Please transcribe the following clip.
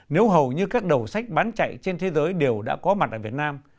nếu hầu như các đầu sách bán chạy trên thế giới đều đã có mặt ở việt nam